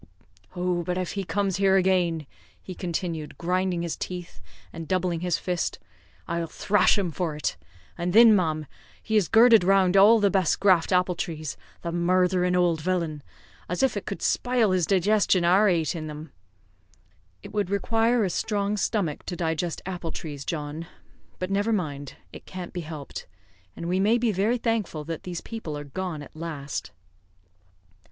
"Oh, but if he comes here agin," he continued, grinding his teeth and doubling his fist, "I'll thrash him for it. And thin, ma'am, he has girdled round all the best graft apple trees, the murtherin' owld villain, as if it could spile his digestion our ating them." "It would require a strong stomach to digest apple trees, John; but never mind, it can't be helped, and we may be very thankful that these people are gone at last."